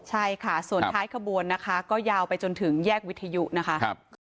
ใช่ค่ะส่วนท้ายขบวนนะคะก็ยาวไปจนถึงแยกวิทยุนะคะ